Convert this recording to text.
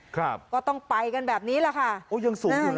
ครับก็ต้องไปกันแบบนี้แหละค่ะโอ้ยังสูงอยู่เลย